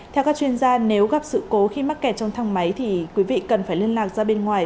theo các chuyên gia nếu gặp sự cố khi mắc kẹt trong thang máy thì quý vị cần phải liên lạc ra bên ngoài